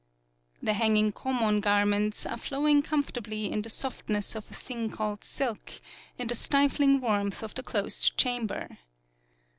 The hanging Komon garments are flowing comfortably in the softness of a thing called silk, in the stifling warmth of the closed chamber.